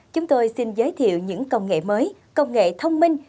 chúng tôi xin giới thiệu những công nghệ mới công nghệ thông minh